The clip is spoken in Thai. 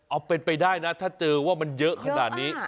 เอาเป็นไปได้นะถ้าเจอว่ามันเยอะขนาดนี้